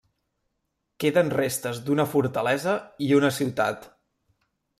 Queden restes d'una fortalesa i una ciutat.